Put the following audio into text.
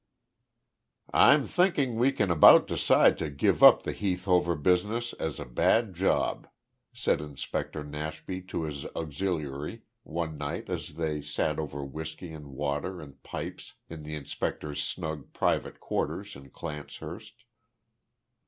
"I'm thinking we can about decide to give up the Heath Hover business as a bad job," said Inspector Nashby to his auxiliary, one night as they sat over whisky and water and pipes, in the inspector's snug private quarters in Clancehurst.